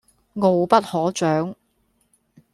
傲不可長